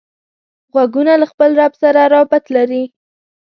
غوږونه له خپل رب سره رابط لري